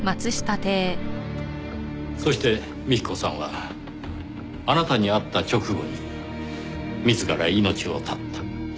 そして幹子さんはあなたに会った直後に自ら命を絶った。